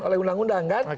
oleh undang undang kan